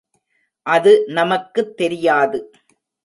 அது நமக்குத் தெரியாது.